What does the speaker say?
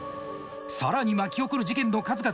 さらに巻き起こる事件の数々。